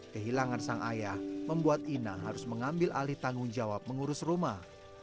kehilangan sang ayah membuat ina harus mengambil alih tanggung jawab mengurus rumah